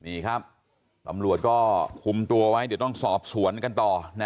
นี่ครับตำรวจก็คุมตัวไว้เดี๋ยวต้องสอบสวนกันต่อ